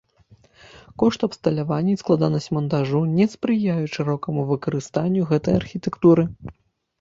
Кошт абсталявання і складанасць мантажу не спрыяюць шырокаму выкарыстанню гэтай архітэктуры.